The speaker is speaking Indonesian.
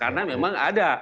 karena memang ada